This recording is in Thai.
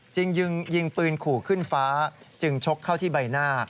จึงยิงปืนขู่ขึ้นฟ้าจึงชกเข้าที่ใบหน้า